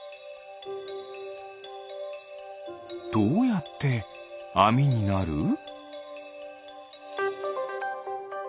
どうやってあみになる？